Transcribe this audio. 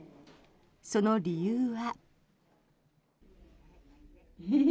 その理由は。